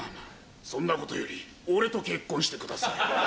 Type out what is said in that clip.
そんなことより俺と結婚してください。